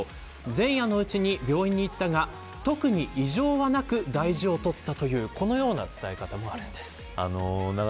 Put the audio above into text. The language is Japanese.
前夜のうちに病院に行ったが特に異常はなく大事をとったというこのような伝え方もあるんです。